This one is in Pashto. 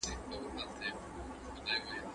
د حکومتونو ترمنځ همکاري سوله رامينځته کوي.